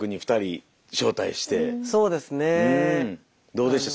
どうでした？